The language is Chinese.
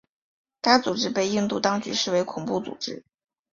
该组织被印度当局视为恐怖组织。